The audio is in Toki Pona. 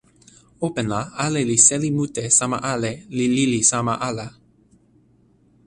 open la ale li seli mute sama ale li lili sama ala.